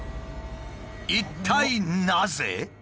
一体なぜ？